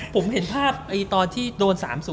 ผมเห็นภาพตอนที่โดน๓๐